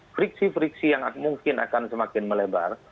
friksi friksi yang mungkin akan semakin melebar